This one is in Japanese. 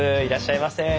いらっしゃいませ。